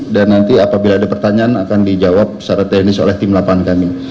nanti apabila ada pertanyaan akan dijawab secara teknis oleh tim lapan kami